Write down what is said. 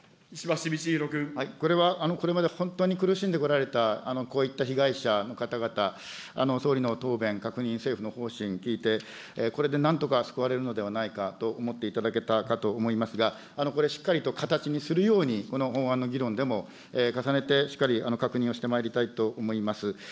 これは、これまで本当に苦しんでこられたこういった被害者の方々、総理の答弁、確認、政府の方針聞いて、これでなんとか救われるのではないかと思っていただけたかと思いますが、これ、しっかりと形にするように、この法案の議論でも重ねてしっかり確認をしてまいりたいと思います。